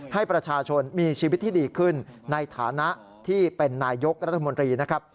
ให้ประชาชนมีชีวิตที่ดีขึ้นในฐานะที่เป็นนายยกรัฐมนตรีนะครับ